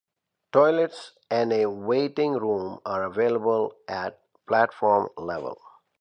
Toilets and a waiting room are available at platform level.